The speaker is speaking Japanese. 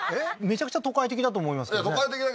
めちゃくちゃ都会的だと思いますけどねいや